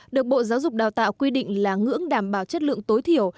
được bộ giáo dục đào tạo quy định là ngưỡng đảm bảo chất lượng tối thiểu